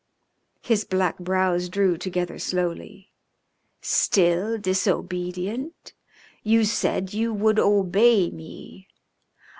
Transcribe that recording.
His black brows drew together slowly. "Still disobedient? You said you would obey me.